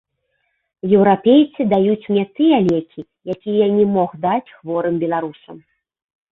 Еўрапейцы даюць мне тыя лекі, якія я не мог даць хворым беларусам.